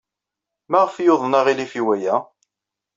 Maɣef ay yuḍen aɣilif i waya?